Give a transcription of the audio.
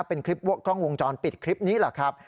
เป็นคลิปกล้องวงจรปิดคลิปนี้แหละครับ